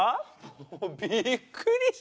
もうびっくりしたよ。